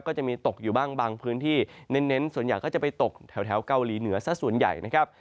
ก็จะมีตกอยู่บ้างบางพื้นที่เน้นส่วนใหญ่ก็จะไปตกแถวเกาหลีเหนือสักส่วนใหญ่นะครับ